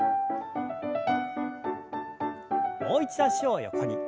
もう一度脚を横に。